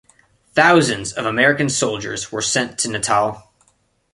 Thousands of American soldiers were sent to Natal.